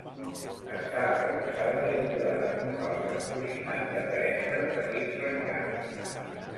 Està arrebossada i decorada amb un fals encoixinat d'aparença de petits rectangles.